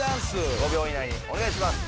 ５秒以内にお願いします。